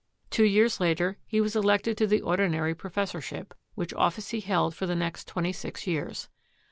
Two years later he was elected to the ordinary professorship, which office he held for the next twen ty six years.